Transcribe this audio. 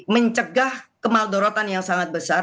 mencegah kemaldorotan yang sangat besar